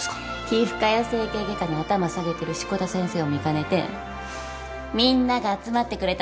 皮膚科や整形外科に頭下げてる志子田先生を見かねてみんなが集まってくれたんですよ。